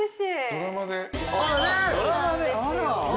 ドラマで。